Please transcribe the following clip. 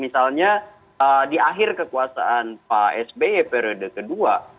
misalnya di akhir kekuasaan pak sby periode kedua